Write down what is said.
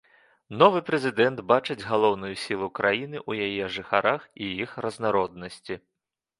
Новы прэзідэнт бачыць галоўную сілу краіны ў яе жыхарах і іх разнароднасці.